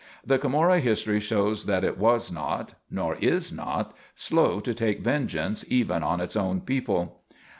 The Camorra history shows that it was not nor is not slow to take vengeance even on its own people.